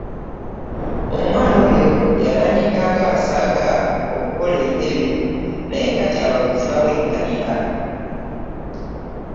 Omwana oyo yatandika ng'asaaga okukola entebe naye kati abaguzi abamwettanira!